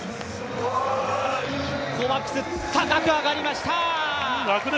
高く上がりました。